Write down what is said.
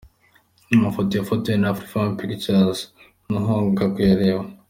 Amafoto yafotowe na Afrifame Pictures ntuhuga kuyareba.